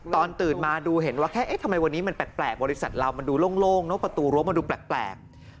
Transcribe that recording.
ตอนตื่นมาดูเห็นว่าแค่เอ๊ะทำไมวันนี้มันแปลกบริษัทเรามันดูโล่งเนอะประตูรั้วมันดูแปลก